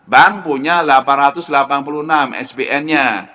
bank punya delapan ratus delapan puluh enam sbn nya